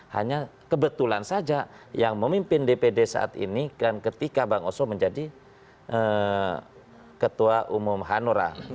hanya kebetulan saja yang memimpin dpd saat ini kan ketika bang oso menjadi ketua umum hanura